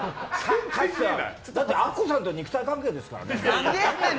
だってアッコさんと肉体関係ですからね。